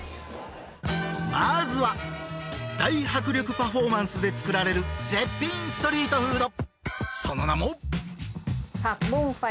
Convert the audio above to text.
まずは大迫力パフォーマンスで作られる絶品ストリートフード